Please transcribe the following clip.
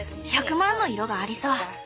１００万の色がありそう。